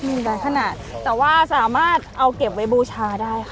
มีหลายขนาดแต่ว่าสามารถเอาเก็บไว้บูชาได้ค่ะ